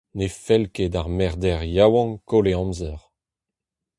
Ne fell ket d'ar merdeer yaouank koll e amzer.